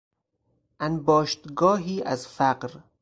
انباشتگاهی از فقر